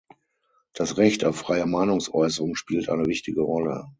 Das Recht auf freie Meinungsäußerung spielt eine wichtige Rolle.